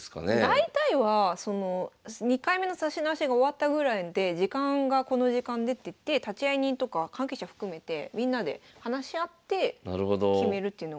大体は２回目の指し直しが終わったぐらいで時間がこの時間でっていって立会人とか関係者含めてみんなで話し合って決めるっていうのがある。